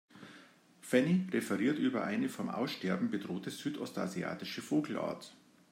Fanny referiert über eine vom Aussterben bedrohte südostasiatische Vogelart.